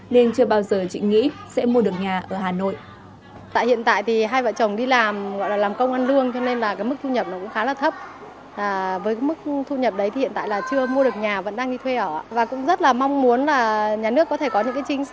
nên chưa bao giờ chị nghĩ sẽ mua nhà ở xã hội